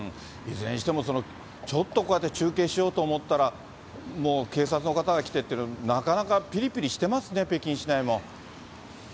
いずれにしても、ちょっとこうやって中継しようと思ったら、もう警察の方が来てって、なかなかぴりぴりしてますね、北京市内も。